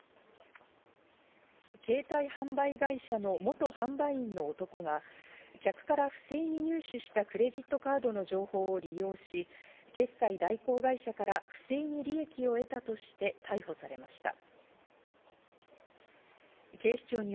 携帯販売会社の元販売員の男が客から不正に入手したクレジットカードの情報を利用し、決済代行会社から不正に利益を得たとして逮捕されました。